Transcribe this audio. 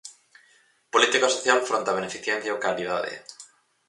Política social fronte a beneficencia ou caridade.